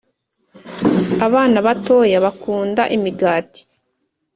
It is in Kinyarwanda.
abana batoya bakunda imigati